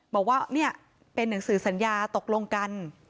บอกว่านี่เป็นหนังสือสัญญาตกลงกัน